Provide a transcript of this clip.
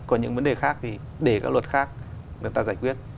còn những vấn đề khác thì để các luật khác người ta giải quyết